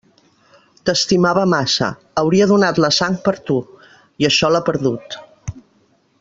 T'estimava massa, hauria donat la sang per tu, i això l'ha perdut.